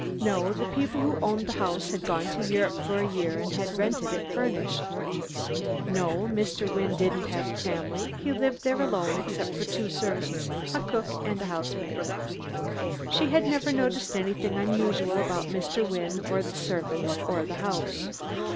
No. The people who owned the house had gone to Europe for a year and had rented it furnished. No, Mr. Wynne didn't have a family. He lived there alone except for two servants, a cook and a housemaid. She had never noticed anything unusual about Mr. Wynne, or the servants, or the house.